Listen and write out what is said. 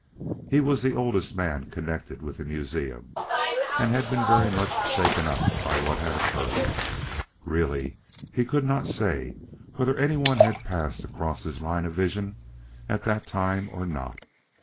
He was the oldest man connected with the museum, and had been very much shaken up by what had occurred. Really, he could not say whether anyone had passed across his line of vision at that time or not.